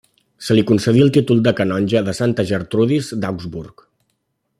Se li concedí el títol de canonge de Santa Gertrudis d'Augsburg.